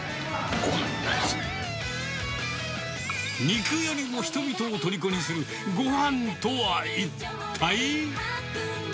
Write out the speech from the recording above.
肉よりも人々をとりこにするごはんとは一体。